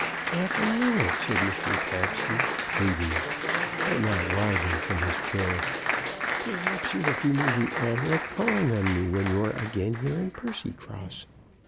"Half a minute," said Mr. Pabsby pleading, but not rising from his chair. "Perhaps you will do me the honour of calling on me when you are again here in Percycross.